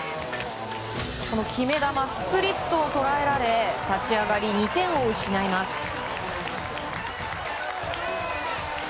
決め球、スプリットを捉えられ立ち上がり２点を失います。